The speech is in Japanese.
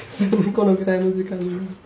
このぐらいの時間になると。